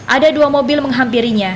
ada dua mobil menghampirinya